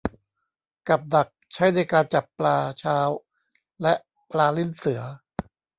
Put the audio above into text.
กับดักใช้ในการจับปลาเช้าและ ปลาลิ้นเสือ